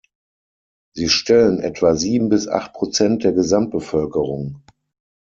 Sie stellen etwa sieben bis acht Prozent der Gesamtbevölkerung.